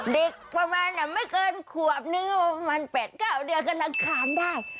เด็กประมาณไม่เกินขวบนึงก็ประมาณ๘๙เดือนกำลังคามได้